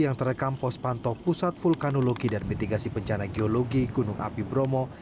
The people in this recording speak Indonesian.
yang terekam pospantok pusat vulkanologi dan mitigasi pencana geologi gunung api bromo